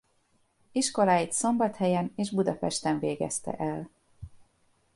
Iskoláit Szombathelyen és Budapesten végezte el.